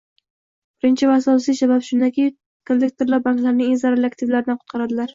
Birinchi va asosiy sabab shundaki, kollektorlar banklarni eng zararli aktivlardan qutqaradilar